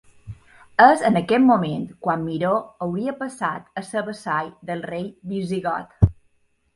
És en aquest moment quan Miró hauria passat a ser vassall del rei visigot.